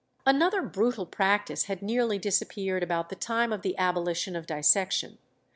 Another brutal practice had nearly disappeared about the time of the abolition of dissection.